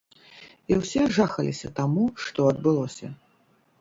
І ўсе жахаліся таму, што адбылося.